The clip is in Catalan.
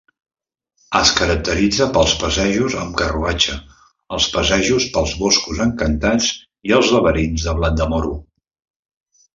Es caracteritza pels passejos amb carruatge, els passejos pels boscos encantats i els laberints de blat de moro.